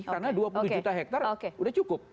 karena dua puluh juta hektar udah cukup